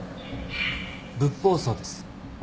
ブッポウソウです。